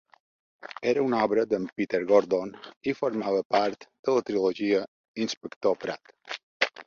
Era una obra de"n Peter Gordon y formava part de la trilogia 'Inspector Pratt'.